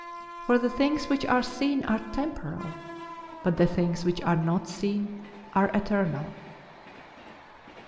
For the things which are seen are temporal, but the things which are not seen are eternal."